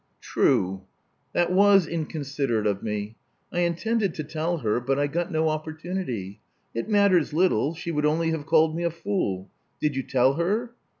True. That was inconsiderate of me. I intended to tell her; but I got no opportunity. It matters little; she would only have called me a fool. Did you tell her?"